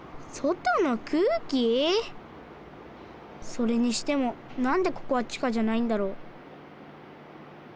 それにしてもなんでここは地下じゃないんだろう？